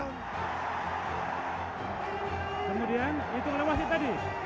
kemudian itu lewati tadi